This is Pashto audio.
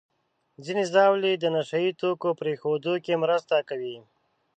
ځینې ژاولې د نشهیي توکو پرېښودو کې مرسته کوي.